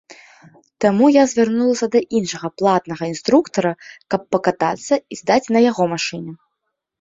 Таму я звярнулася да іншага платнага інструктара, каб пакатацца і здаць на яго машыне.